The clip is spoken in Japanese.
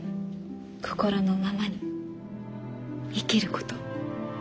心のままに生きること。